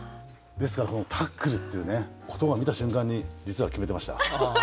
ですからこの「タックル」っていう言葉を見た瞬間に実は決めてました。